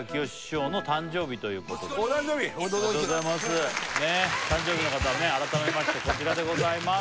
でも今日がお誕生日誕生日の方改めましてこちらでございます